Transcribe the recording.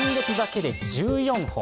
今月だけで１４本。